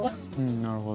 なるほど。